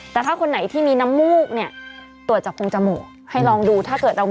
แต่ถ้าคนไหนที่มีน้ำมูก